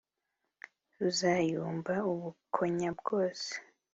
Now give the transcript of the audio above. ruzayumba ubukonya bwose